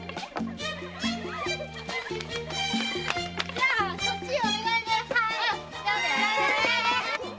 じゃあこっちお願いね。